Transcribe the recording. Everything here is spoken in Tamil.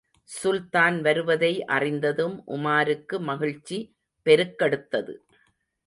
சுல்தான் வருவதை அறிந்ததும் உமாருக்கு மகிழ்ச்சி பெருக்கெடுத்தது.